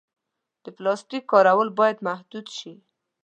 د پلاسټیک کارول باید محدود شي.